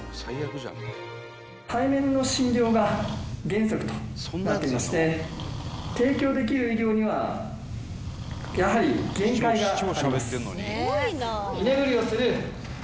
対面の診療が原則となってまして提供できる医療にはやはり限界があります。